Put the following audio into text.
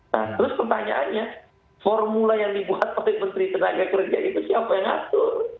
nah terus pertanyaannya formula yang dibuat oleh menteri tenaga kerja itu siapa yang ngatur